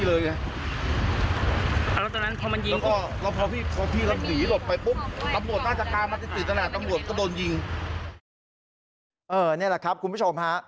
นี่แหละครับคุณผู้ชมฮะ